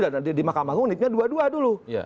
di mahkamah gungka miliknya dua dua dulu